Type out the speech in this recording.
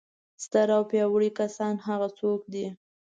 ستر او پیاوړي کسان هغه څوک دي.